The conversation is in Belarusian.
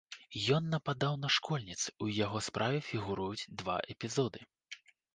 Ён нападаў на школьніц і у яго справе фігуруюць два эпізоды.